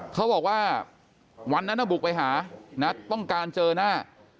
เขาบอกว่าวันนั้นบุกไปหานะต้องการเจอหน้า